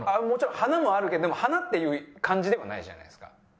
もちろん華もあるけども華っていう感じではないじゃないですか。